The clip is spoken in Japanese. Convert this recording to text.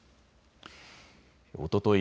おととい